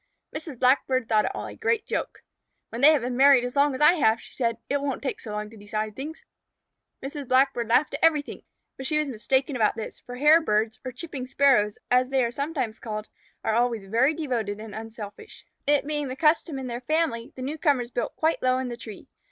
Mrs. Blackbird thought it all a great joke. "When they have been married as long as I have," she said, "it wont take so long to decide things." Mrs. Blackbird laughed at everything, but she was mistaken about this, for the Hairbirds, or Chipping Sparrows, as they are sometimes called, are always devoted and unselfish. It being the custom in their family, the newcomers built quite low in the tree.